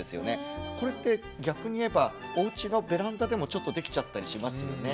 これって逆に言えばおうちのベランダでもちょっとできちゃったりしますよね。